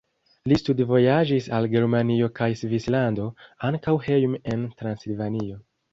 Li studvojaĝis al Germanio kaj Svislando, ankaŭ hejme en Transilvanio.